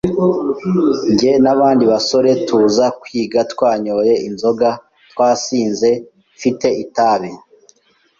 njye n’abandi basore tuza kwiga twanyoye inzoga twasinze mfite itabi